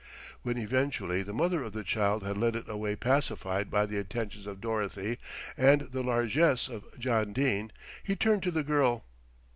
When eventually the mother of the child had led it away pacified by the attentions of Dorothy and the largesse of John Dene, he turned to the girl.